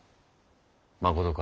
まことか。